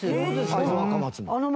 会津若松の。